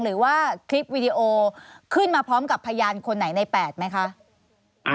หรือว่าคลิปวิดีโอขึ้นมาพร้อมกับพยานคนไหนใน๘ไหมคะ